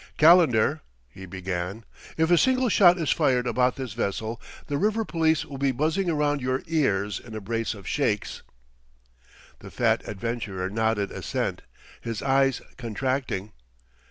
"Calendar," he began, "if a single shot is fired about this vessel the river police will be buzzing round your ears in a brace of shakes." The fat adventurer nodded assent, his eyes contracting.